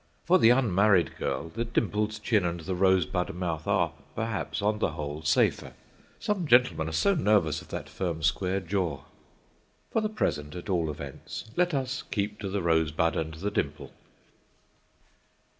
For the unmarried girl the dimpled chin and the rosebud mouth are, perhaps, on the whole safer. Some gentlemen are so nervous of that firm, square jaw. For the present, at all events, let us keep to the rosebud and the dimple.